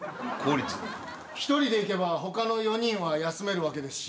１人で行けば他の４人は休めるわけですし。